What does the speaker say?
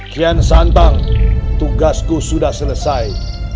kian santang tugasku sudah selesai